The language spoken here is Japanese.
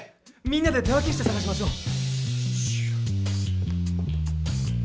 みんなで手分けして探しましょう。